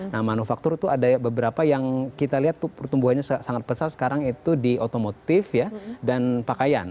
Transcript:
nah manufaktur itu ada beberapa yang kita lihat tuh pertumbuhannya sangat besar sekarang itu di otomotif dan pakaian